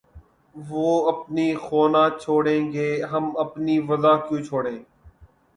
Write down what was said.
وہ اپنی خو نہ چھوڑیں گے‘ ہم اپنی وضع کیوں چھوڑیں!